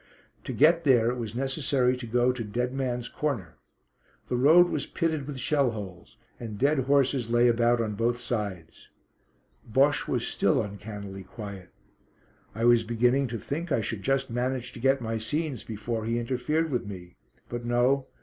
To get there it was necessary to go to "Dead Man's Corner." The road was pitted with shell holes, and dead horses lay about on both sides. Bosche was still uncannily quiet. I was beginning to think I should just manage to get my scenes before he interfered with me. But no!